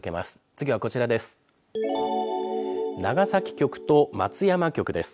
次はこちらです。